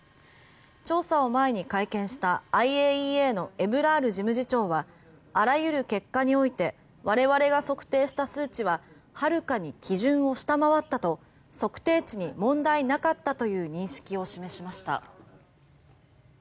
調査を前に会見したＩＡＥＡのエブラール事務次長はあらゆる結果において我々が測定した数値は遥かに基準を下回ったと測定値に問題なかったという認識を示しました。